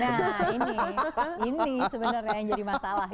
nah ini sebenarnya yang jadi masalah ya